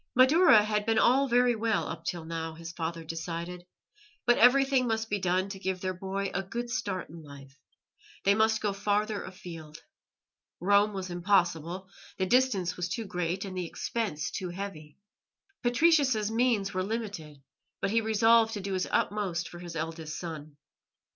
Madaura had been all very well up till now, his father decided, but everything must be done to give their boy a good start in life; they must go farther afield. Rome was impossible; the distance was too great and the expense too heavy. Patricius's means were limited, but he resolved to do his utmost for his eldest son.